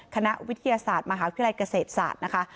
คณะวิทยาศาสตร์มหาวิทยาลัยเกษตรศาสตร์นะคะ